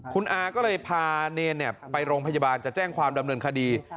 คุณอาก็เลยพาเนรไปโรงพยาบาลจะแจ้งความดำเนินคดี